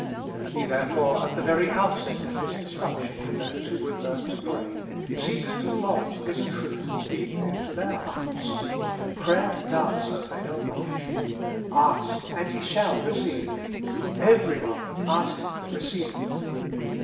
He therefore at the very outset of His instruction to those who would learn to pray, seeks to lodge this truth deep into their hearts : prayer does avail much ; ask and ye shall receive ; eveiy one that asketh, receiveth.